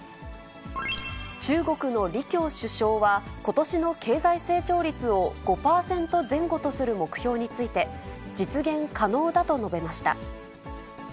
中国の李強首相は、ことしの経済成長率を５％前後とする目標について、実現可能だと述べました。